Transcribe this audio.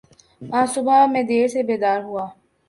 آج صبح میں دیر سے بیدار ہوا